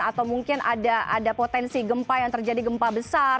atau mungkin ada potensi gempa yang terjadi gempa besar